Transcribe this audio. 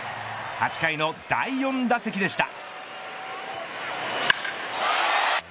８回の第４打席でした。